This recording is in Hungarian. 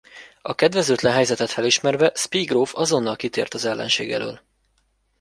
A kedvezőtlen helyzetet felismerve Spee gróf azonnal kitért az ellenség elől.